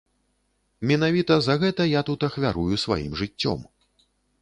Менавіта за гэта я тут ахвярую сваім жыццём.